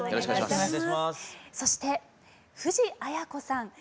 そして藤あや子さん